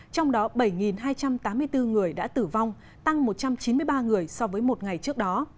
trong đó bảy hai trăm tám mươi bốn người đã tử vong tăng một trăm chín mươi ba người so với một ngày trước đó